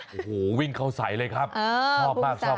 โอ้โหวิ่งเข้าใส่เลยครับชอบมากชอบ